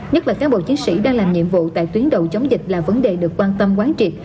nhất là cán bộ chiến sĩ đang làm nhiệm vụ tại tuyến đầu chống dịch là vấn đề được quan tâm quán triệt